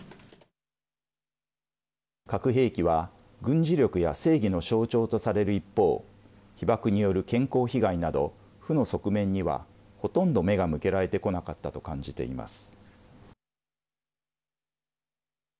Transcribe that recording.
核兵器は軍事力や正義の象徴とされる一方被爆による健康被害など負の側面にはほとんど目が向けられてこなかったと感じています。